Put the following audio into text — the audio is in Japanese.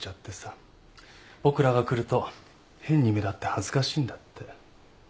僕らが来ると変に目立って恥ずかしいんだって。